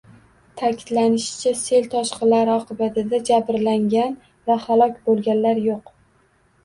Ta’kidlanishicha, sel toshqinlari oqibatida jabrlangan va halok bo‘lganlar yo‘q